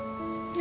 何？